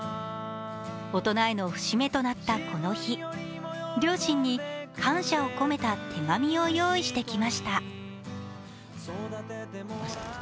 大人への節目となったこの日、両親に感謝を込めた手紙を用意してきました。